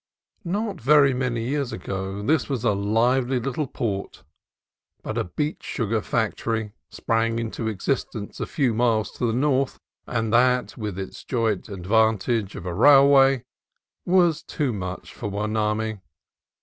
Not very many years ago this was a lively little port; but a beet sugar factory sprang into existence a few miles to the north, and that, with its joint advant age of a railway, was too much for Hueneme.